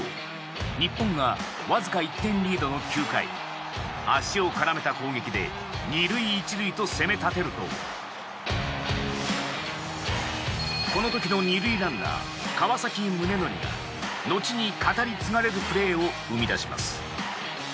日本がわずか１点リードの９回足を絡めた攻撃で２塁１塁と攻め立てるとこの時の２塁ランナー、川崎宗則後に語り継がれるプレーを生み出します。